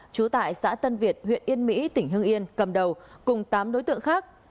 trú tại xã tân việt huyện yên mỹ tỉnh hưng yên cầm đầu cùng tám đối tượng khác